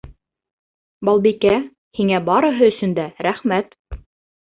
Балбикә, һиңә барыһы өсөн дә рәхмәт.